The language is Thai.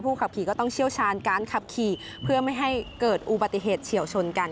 ขับขี่ก็ต้องเชี่ยวชาญการขับขี่เพื่อไม่ให้เกิดอุบัติเหตุเฉียวชนกัน